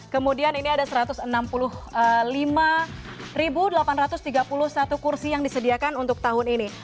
kemudian ini ada satu ratus enam puluh lima delapan ratus tiga puluh satu kursi yang disediakan untuk tahun ini